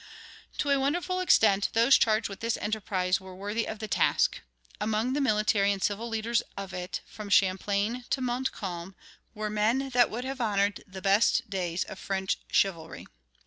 To a wonderful extent those charged with this enterprise were worthy of the task. Among the military and civil leaders of it, from Champlain to Montcalm, were men that would have honored the best days of French chivalry.